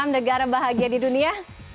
negara bahagia di dunia